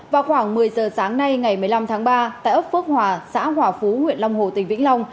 vào khoảng một mươi giờ sáng nay ngày một mươi năm tháng ba tại ấp phước hòa xã hòa phú huyện long hồ tỉnh vĩnh long